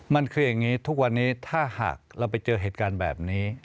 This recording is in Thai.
มันคืออย่างนี้ทุกวันนี้ถ้าหากเราไปเจอเหตุการณ์แบบนี้